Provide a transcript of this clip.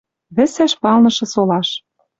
Вӹсӓш палнышы солаш